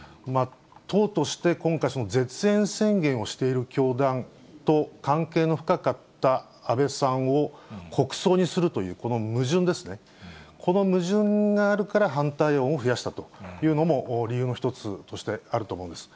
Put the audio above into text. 党として今回、絶縁宣言をしている教団と、関係の深かった安倍さんを国葬にするという、この矛盾ですね、この矛盾があるから反対論を増やしたというのも、理由の一つとしてあると思うんです。